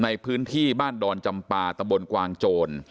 ในพื้นที่บ้านดอนจำปาตะบนกวางโจร